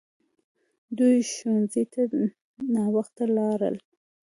دوی ښوونځي ته ناوخته لاړل!